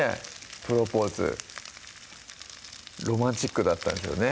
プロポーズロマンチックだったんですよね